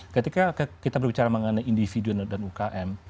ketika kita berbicara mengenai individu dan ukm